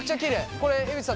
これ江口さん